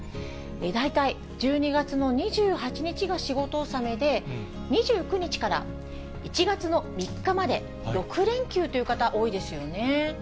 大体１２月の２８日が仕事納めで、２９日から１月の３日まで６連休という方、多いですよね。